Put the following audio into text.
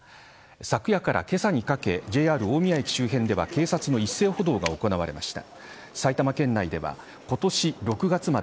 昨夜から、けさにかけＪＲ大宮駅周辺では警察の一斉補導が行われました。